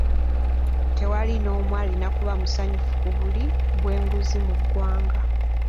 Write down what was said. Tewali n'omu alina kuba musanyufu ku buli bw'enguzi mu ggwanga.